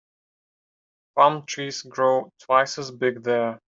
Palm trees grow twice as big there.